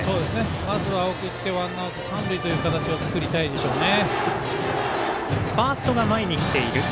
まずは送って、ワンアウト三塁という形を作りたいですね。